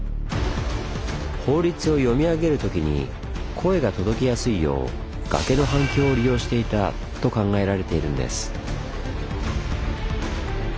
法律を読み上げるときに声が届きやすいよう崖の反響を利用していたと考えられているんです。